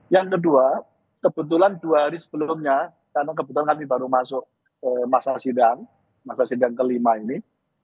yang kedua kebetulan dua hari sebelumnya karena kebetulan kami baru masuk masa sidang masa sidang kelima ini